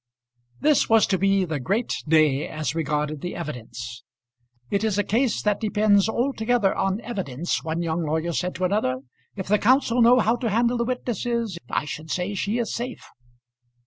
This was to be the great day as regarded the evidence. "It is a case that depends altogether on evidence," one young lawyer said to another. "If the counsel know how to handle the witnesses, I should say she is safe."